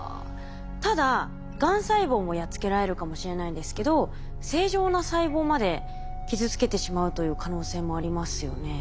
ただがん細胞もやっつけられるかもしれないんですけど正常な細胞まで傷つけてしまうという可能性もありますよね。